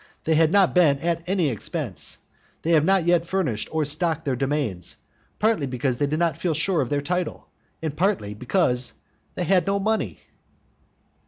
They had not been at any expense, they had not yet furnished or stocked their domains, partly because they did not feel sure of their title, and partly because they had no money.